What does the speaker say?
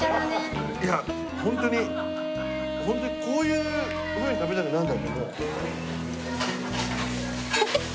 いやホントにホントにこういうふうに食べたくなるんだと思う。